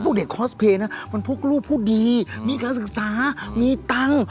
เด็กคอสเพลย์นะมันพวกลูกพวกดีมีการศึกษามีตังค์